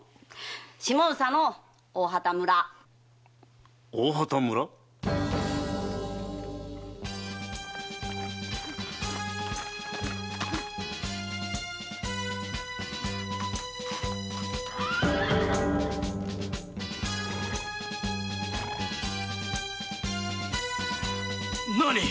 下総の大畑村！大畑村？何！